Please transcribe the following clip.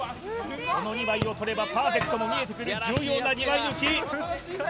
この２枚をとればパーフェクトも見えてくる重要な２枚抜き